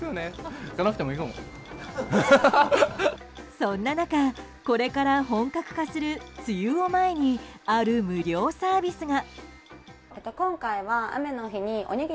そんな中、これから本格化する梅雨を前にある無料サービスが。